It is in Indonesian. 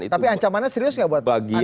tapi ancamannya serius gak buat anda dan gerindra